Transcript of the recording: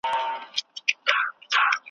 لالهانده کډي وینم چي له کلیو دي باریږي